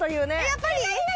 やっぱり？何？